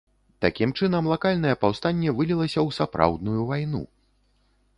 Такім чынам лакальнае паўстанне вылілася ў сапраўдную вайну.